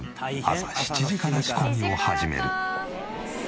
朝７時から仕込みを始める。